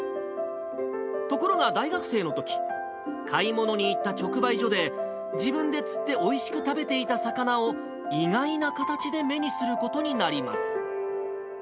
ところが大学生のとき、買い物に行った直売所で、自分で釣っておいしく食べていた魚を、意外な形で目にすることになります。